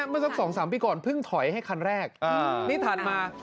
คันที่สองแล้ว